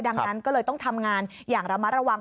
ดังนั้นก็เลยต้องทำงานอย่างระมัดระวัง